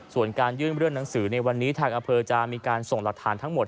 ส่วนการยื่นเรื่องหนังสือในวันนี้ทางอำเภอจะมีการส่งหลักฐานทั้งหมด